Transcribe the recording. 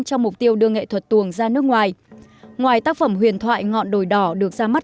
cho mục tiêu đưa nghệ thuật tuồng ra nước ngoài ngoài tác phẩm huyền thoại ngọn đồi đỏ được ra mắt